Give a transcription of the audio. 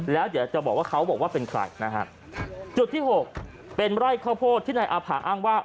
แล้วเดี๋ยวจะบอกว่าเขาบอกว่าเป็นใครนะฮะจุดที่หกเป็นไร่ข้าวโพดที่นายอาภาอ้างว่า